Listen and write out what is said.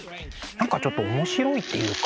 何かちょっと面白いっていうか。